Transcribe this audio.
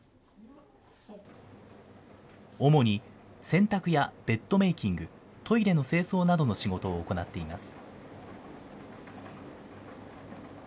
主に洗濯やベッドメーキング、トイレの清掃などの仕事を行っています。